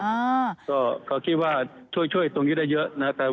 บริโภคเขาคิดว่าช่วยตรงนี้ได้เยอะนะครับ